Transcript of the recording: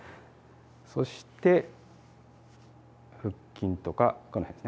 そして腹筋とかこの辺ですね